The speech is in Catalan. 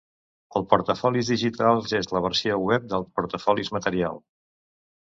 El portafolis digital és la versió web del portafolis material.